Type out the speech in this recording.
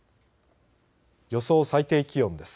予想最低気温です。